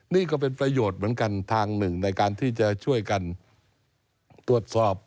นี่ก็เป็นประโยชน์เหมือนกันทางหนึ่งในการที่จะช่วยกันตรวจสอบ